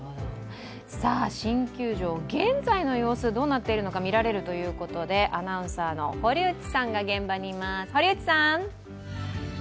新球場、現在の様子どうなっているのか見られるということでアナウンサーの堀内さんが現場にいます。